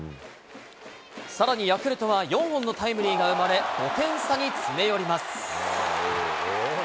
さらにヤクルトは、４本のタイムリーが生まれ、５点差に詰め寄ります。